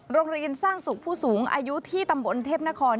โรงเรียนสร้างสุขผู้สูงอายุที่ตำบลเทพนคร